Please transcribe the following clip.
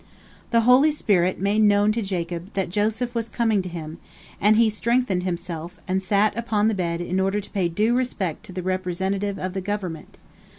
The holy spirit made known to Jacob that Joseph was coming to him, and he strengthened himself, and sat upon the bed in order to pay due respect to the representative of the government.